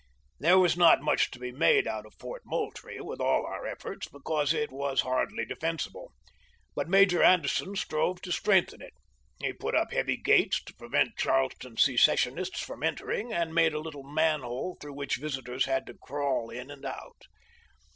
There was not much to be made out of Fort Moultrie, with all our efforts, because it was hardly defen sible; but Major Anderson strove to strengthen it. He put up heavy gates to prevent Charleston secessionists from entering, and made a little man hole through which visitors had to crawl in and out.